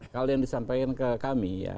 kalau yang disampaikan ke kami ya